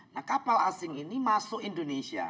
nah kapal asing ini masuk indonesia